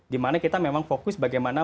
dimana kita memang fokus bagaimana